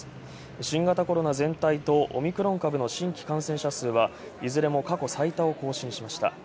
新型コロナ全体と「オミクロン株」の新規感染者数はいずれも過去最多を更新しました。